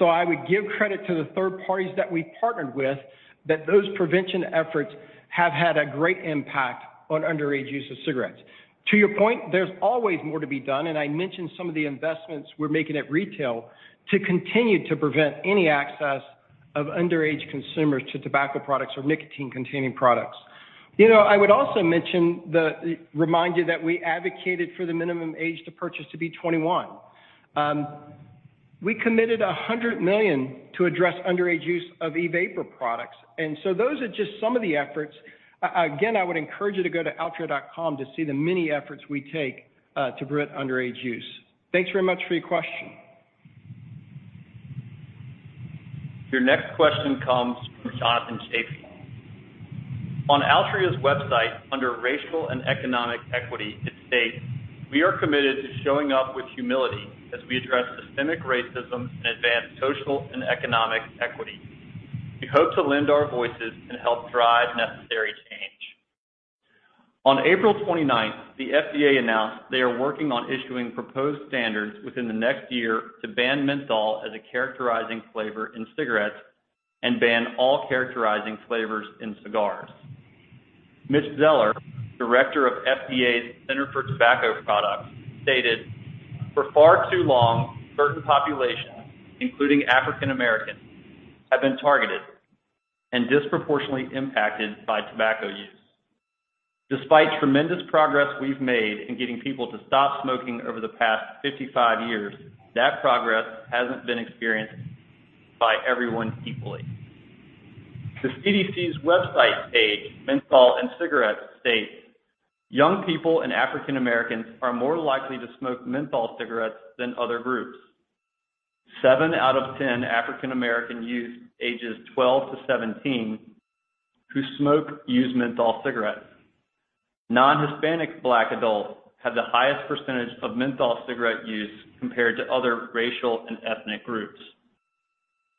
I would give credit to the third parties that we partnered with that those prevention efforts have had a great impact on underage use of cigarettes. To your point, there's always more to be done, and I mentioned some of the investments we're making at retail to continue to prevent any access of underage consumers to tobacco products or nicotine-containing products. I would also remind you that we advocated for the minimum age to purchase to be 21. We committed $100 million to address underage use of e-vapor products. Those are just some of the efforts. Again, I would encourage you to go to altria.com to see the many efforts we take to prevent underage use. Thanks very much for your question. Your next question comes from Todd Shapiro. On Altria's website, under Racial and Economic Equity, it states, "We are committed to showing up with humility as we address systemic racism and advance social and economic equity. We hope to lend our voices and help drive necessary change." On April 29th, the FDA announced they are working on issuing proposed standards within the next year to ban menthol as a characterizing flavor in cigarettes and ban all characterizing flavors in cigars. Mitch Zeller, director of FDA's Center for Tobacco Products, stated, "For far too long, certain populations, including African Americans, have been targeted and disproportionately impacted by tobacco use. Despite tremendous progress we've made in getting people to stop smoking over the past 55 years, that progress hasn't been experienced by everyone equally. The CDC's website page, "Menthol and Cigarettes," states, "Young people and African Americans are more likely to smoke menthol cigarettes than other groups. Seven out of 10 African American youth ages 12 to 17 who smoke use menthol cigarettes. Non-Hispanic Black adults have the highest percentage of menthol cigarette use compared to other racial and ethnic groups.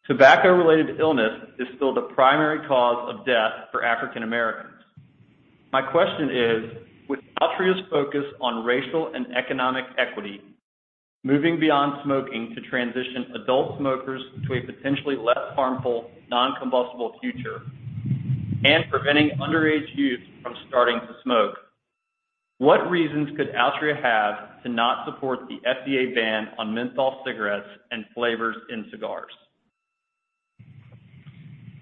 Tobacco-related illness is still the primary cause of death for African Americans." My question is, with Altria's focus on racial and economic equity, moving beyond smoking to transition adult smokers to a potentially less harmful non-combustible future, and preventing underage youth from starting to smoke, what reasons could Altria have to not support the FDA ban on menthol cigarettes and flavors in cigars?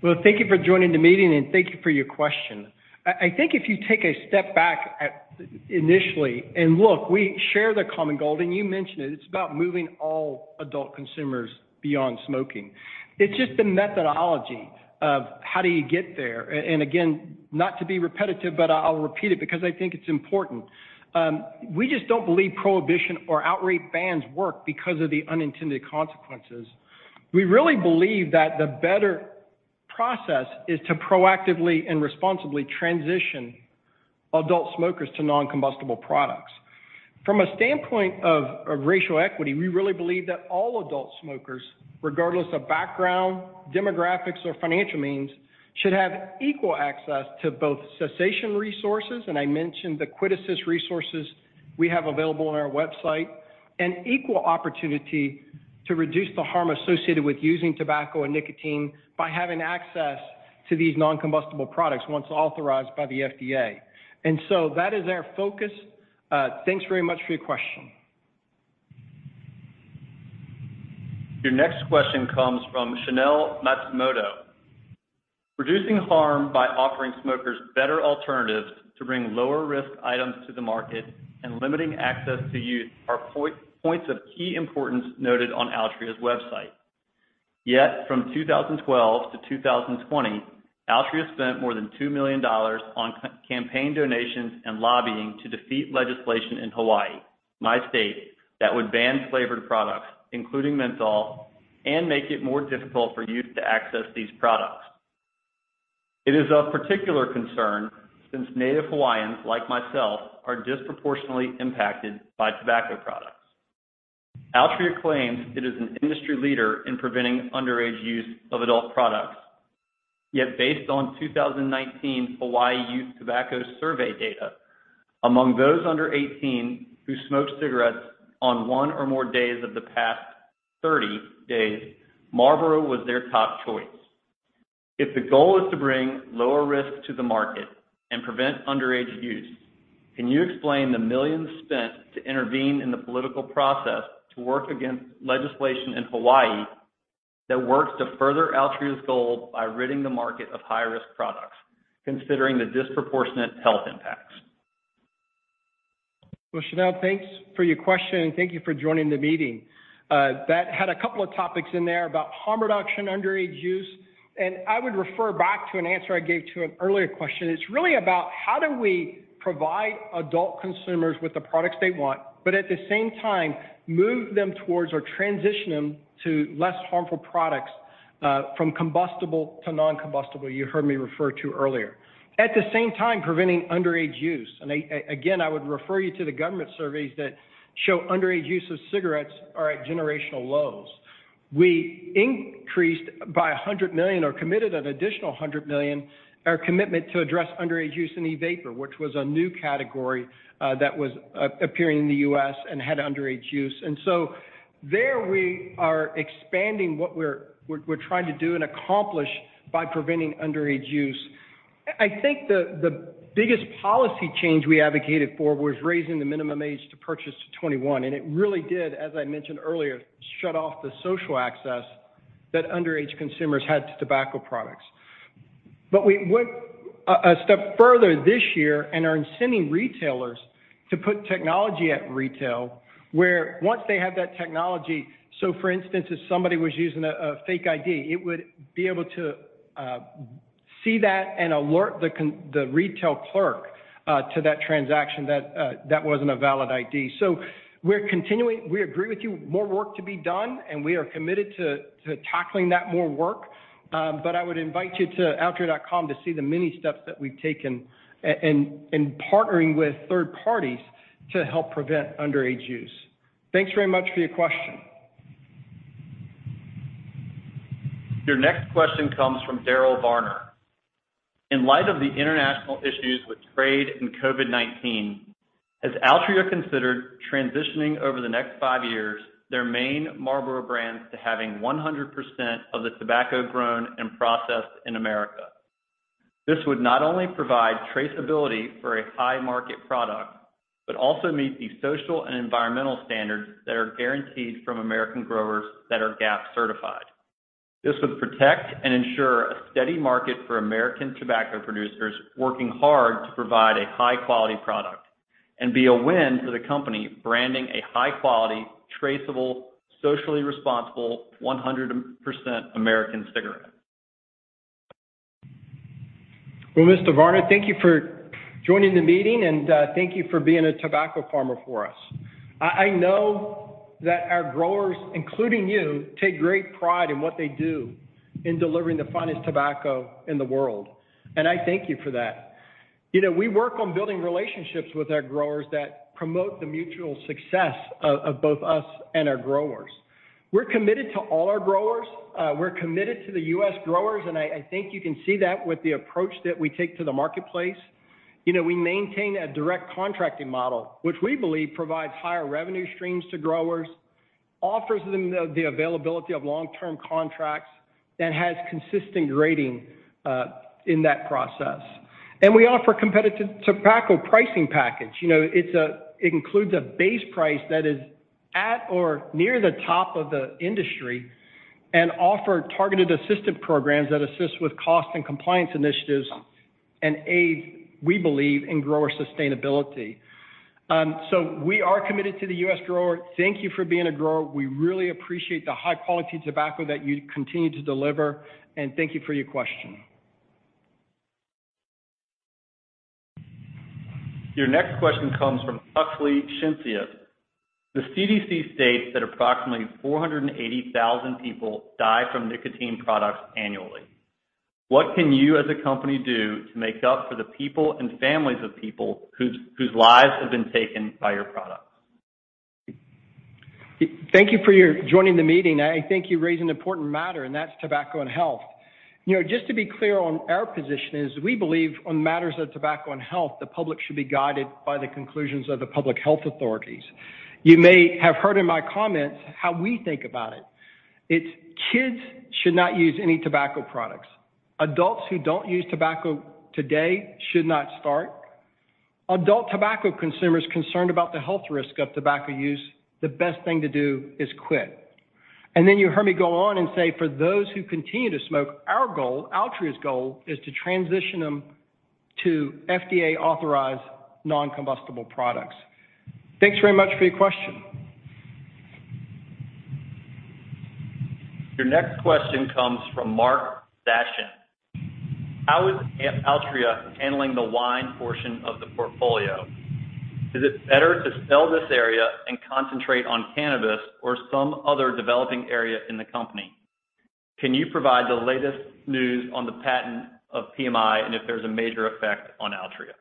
Well, thank you for joining the meeting, and thank you for your question. I think if you take a step back initially and look, we share the common goal, and you mentioned it. It's about moving all adult consumers beyond smoking. It's just the methodology of how do you get there. Again, not to be repetitive, but I'll repeat it because I think it's important. We just don't believe prohibition or outright bans work because of the unintended consequences. We really believe that the better process is to proactively and responsibly transition adult smokers to non-combustible products. From a standpoint of racial equity, we really believe that all adult smokers, regardless of background, demographics, or financial means, should have equal access to both cessation resources, I mentioned the QuitAssist resources we have available on our website, and equal opportunity to reduce the harm associated with using tobacco and nicotine by having access to these non-combustible products once authorized by the FDA. That is our focus. Thanks very much for your question. Your next question comes from Chanel Matsumoto. Reducing harm by offering smokers better alternatives to bring lower risk items to the market and limiting access to youth are points of key importance noted on Altria's website. From 2012 to 2020, Altria spent more than $2 million on campaign donations and lobbying to defeat legislation in Hawaii, my state, that would ban flavored products, including menthol, and make it more difficult for youth to access these products. It is of particular concern since Native Hawaiians, like myself, are disproportionately impacted by tobacco products. Altria claims it is an industry leader in preventing underage use of adult products. Based on 2019 Hawaii Youth Tobacco Survey data, among those under 18 who smoke cigarettes on one or more days of the past 30 days, Marlboro was their top choice. If the goal is to bring lower risk to the market and prevent underage use, can you explain the millions spent to intervene in the political process to work against legislation in Hawaii that works to further Altria's goals by ridding the market of high-risk products, considering the disproportionate health impacts? Well, Chanel, thanks for your question, and thank you for joining the meeting. That had a couple of topics in there about harm reduction, underage use, and I would refer back to an answer I gave to an earlier question. It's really about how do we provide adult consumers with the products they want, but at the same time move them towards or transition them to less harmful products, from combustible to non-combustible, you heard me refer to earlier, at the same time preventing underage use. Again, I would refer you to the government surveys that show underage use of cigarettes are at generational lows. We increased by $100 million, or committed an additional $100 million, our commitment to address underage use in e-vapor, which was a new category that was appearing in the U.S. and had underage use. There we are expanding what we're trying to do and accomplish by preventing underage use. I think the biggest policy change we advocated for was raising the minimum age to purchase to 21, and it really did, as I mentioned earlier, shut off the social access that underage consumers had to tobacco products. We went a step further this year and are inciting retailers to put technology at retail where, once they have that technology, so for instance, if somebody was using a fake ID, it would be able to see that and alert the retail clerk to that transaction that wasn't a valid ID. We agree with you, more work to be done, and we are committed to tackling that more work. I would invite you to altria.com to see the many steps that we've taken in partnering with third parties to help prevent underage use. Thanks very much for your question. Your next question comes from Darrell Varner. In light of the international issues with trade and COVID-19, has Altria considered transitioning over the next five years their main Marlboro brand to having 100% of the tobacco grown and processed in America? This would not only provide traceability for a high-market product but also meet the social and environmental standards that are guaranteed from American growers that are GAP-certified. This would protect and ensure a steady market for American tobacco producers working hard to provide a high-quality product and be a win for the company, branding a high-quality, traceable, socially responsible 100% American cigarette. Well, Mr. Varner, thank you for joining the meeting, and thank you for being a tobacco farmer for us. I know that our growers, including you, take great pride in what they do in delivering the finest tobacco in the world, and I thank you for that. We work on building relationships with our growers that promote the mutual success of both us and our growers. We're committed to all our growers. We're committed to the U.S. growers, and I think you can see that with the approach that we take to the marketplace. We maintain a direct contracting model, which we believe provides higher revenue streams to growers, offers them the availability of long-term contracts that has consistent grading in that process. We offer a competitive tobacco pricing package. It includes a base price that is at or near the top of the industry and offer targeted assistive programs that assist with cost and compliance initiatives and aids, we believe, in grower sustainability. We are committed to the U.S. grower. Thank you for being a grower. We really appreciate the high-quality tobacco that you continue to deliver, and thank you for your question. Your next question comes from [Huxley Chincias]. The CDC states that approximately 480,000 people die from nicotine products annually. What can you as a company do to make up for the people and families of people whose lives have been taken by your products? Thank you for joining the meeting. I think you raise an important matter, and that's tobacco and health. Just to be clear on our position is we believe on matters of tobacco and health, the public should be guided by the conclusions of the public health authorities. You may have heard in my comments how we think about it. It's kids should not use any tobacco products. Adults who don't use tobacco today should not start. Adult tobacco consumers concerned about the health risk of tobacco use, the best thing to do is quit. And then you heard me go on and say, for those who continue to smoke, our goal, Altria's goal, is to transition them to FDA-authorized non-combustible products. Thanks very much for your question. Your next question comes from Mark Basha. How is Altria handling the wine portion of the portfolio? Is it better to sell this area and concentrate on cannabis or some other developing area in the company? Can you provide the latest news on the patent of PMI and if there's a major effect on Altria?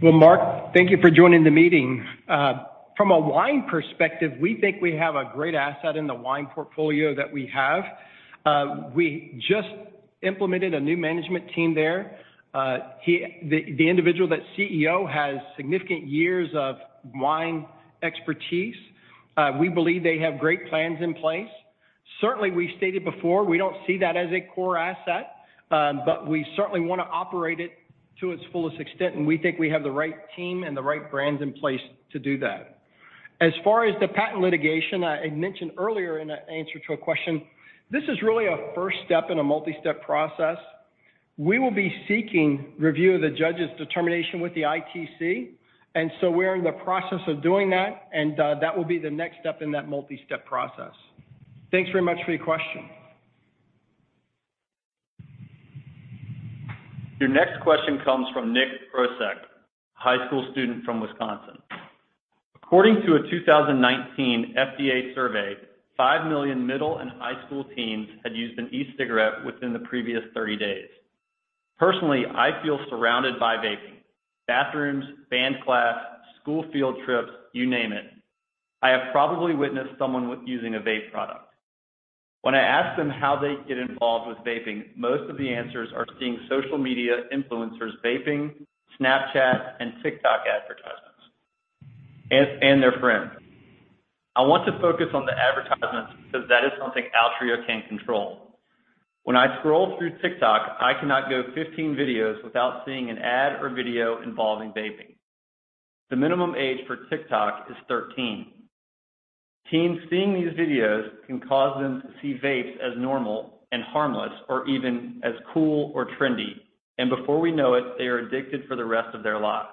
Well, Mark, thank you for joining the meeting. From a wine perspective, we think we have a great asset in the wine portfolio that we have. We just implemented a new management team there. The individual, that CEO, has significant years of wine expertise. We believe they have great plans in place. Certainly, we've stated before, we don't see that as a core asset, but we certainly want to operate it to its fullest extent, and we think we have the right team and the right brands in place to do that. As far as the patent litigation, I mentioned earlier in an answer to a question, this is really a first step in a multi-step process. We will be seeking review of the judge's determination with the ITC. We are in the process of doing that, and that will be the next step in that multi-step process. Thanks very much for your question. Your next question comes from Nick [Ursek], high school student from Wisconsin. According to a 2019 FDA survey, five million middle and high school teens had used an e-cigarette within the previous 30 days. Personally, I feel surrounded by vaping. Bathrooms, band class, school field trips, you name it, I have probably witnessed someone using a vape product. When I ask them how they get involved with vaping, most of the answers are seeing social media influencers vaping, Snapchat and TikTok advertisements, and their friends. I want to focus on the advertisements because that is something Altria can control. When I scroll through TikTok, I cannot go 15 videos without seeing an ad or video involving vaping. The minimum age for TikTok is 13. Teens seeing these videos can cause them to see vapes as normal and harmless, or even as cool or trendy, and before we know it, they are addicted for the rest of their lives.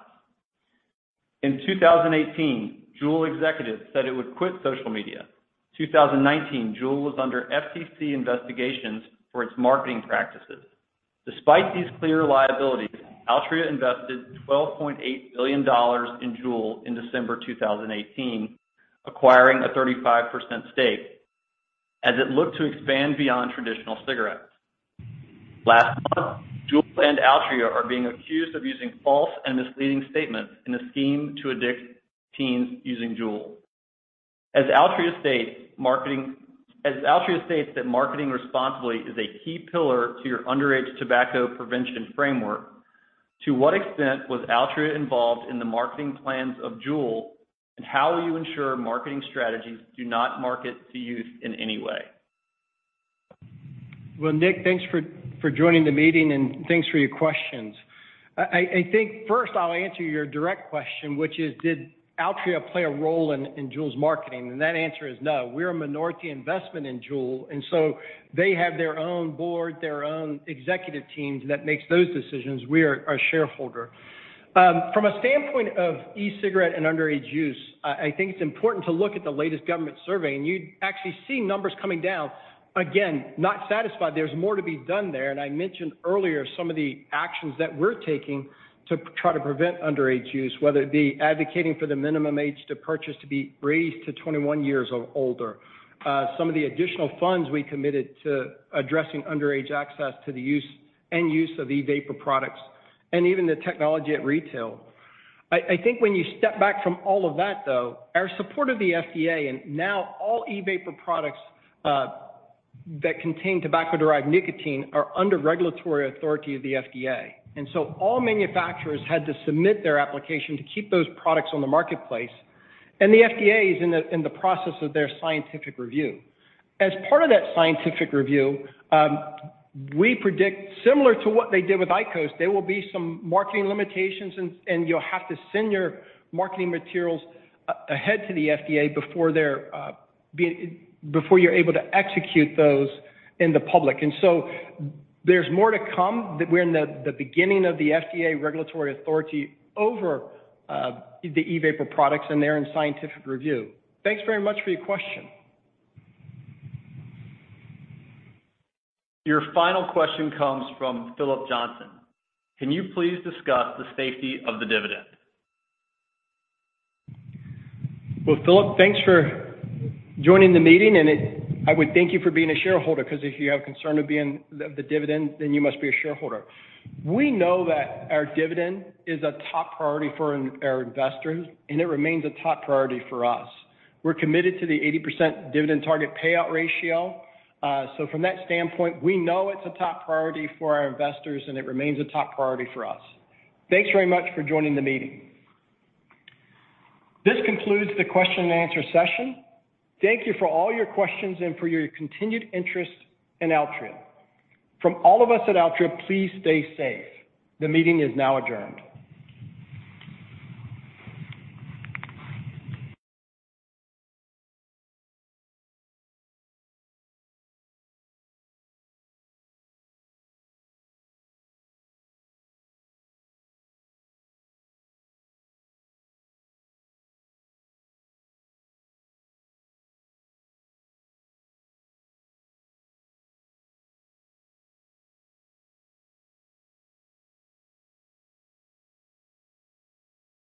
In 2018, Juul executives said it would quit social media. 2019, Juul was under FTC investigations for its marketing practices. Despite these clear liabilities, Altria invested $12.8 billion in Juul in December 2018, acquiring a 35% stake as it looked to expand beyond traditional cigarettes. Last month, Juul and Altria are being accused of using false and misleading statements in a scheme to addict teens using Juul. As Altria states that marketing responsibly is a key pillar to your underage tobacco prevention framework, to what extent was Altria involved in the marketing plans of Juul, and how do you ensure marketing strategies do not market to youth in any way? Well, Nick, thanks for joining the meeting, and thanks for your questions. I think first I'll answer your direct question, which is did Altria play a role in Juul's marketing? That answer is no. We're a minority investment in Juul, they have their own board, their own executive teams that makes those decisions. We are a shareholder. From a standpoint of e-cigarette and underage use, I think it's important to look at the latest government survey, and you actually see numbers coming down. Again, not satisfied. There's more to be done there. I mentioned earlier some of the actions that we're taking to try to prevent underage use, whether it be advocating for the minimum age to purchase to be raised to 21 years or older. Some of the additional funds we committed to addressing underage access to the use and use of e-vapor products, and even the technology at retail. I think when you step back from all of that, though, our support of the FDA and now all e-vapor products that contain tobacco-derived nicotine are under regulatory authority of the FDA. All manufacturers had to submit their application to keep those products on the marketplace. The FDA is in the process of their scientific review. As part of that scientific review, we predict similar to what they did with IQOS, there will be some marketing limitations, and you'll have to send your marketing materials ahead to the FDA before you're able to execute those in the public. There's more to come. We're in the beginning of the FDA regulatory authority over the e-vapor products, and they're in scientific review. Thanks very much for your question. Your final question comes from Philip Johnson. Can you please discuss the safety of the dividend? Well, Philip, thanks for joining the meeting. I would thank you for being a shareholder because if you have concern of the dividend, you must be a shareholder. We know that our dividend is a top priority for our investors. It remains a top priority for us. We're committed to the 80% dividend target payout ratio. From that standpoint, we know it's a top priority for our investors. It remains a top priority for us. Thanks very much for joining the meeting. This concludes the question and answer session. Thank you for all your questions and for your continued interest in Altria. From all of us at Altria, please stay safe. The meeting is now adjourned.